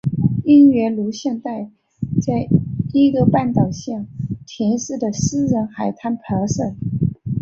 音乐录影带在伊豆半岛下田市的私人海滩拍摄。